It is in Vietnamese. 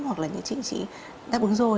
hoặc là những chị đã đáp ứng rồi